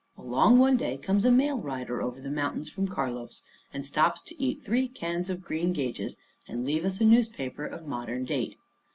Along one day comes a mail rider over the mountains from Carlos, and stops to eat three cans of greengages, and leave us a newspaper of modern date.